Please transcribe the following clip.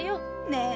ねえ？